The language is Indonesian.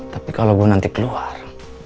tapi kalau gue nanti keluar